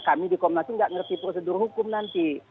kami di komnas itu nggak ngerti prosedur hukum nanti